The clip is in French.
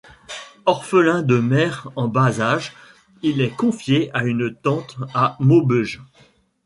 Orphelin de mère en bas âge, il est confié à une tante à Maubeuge.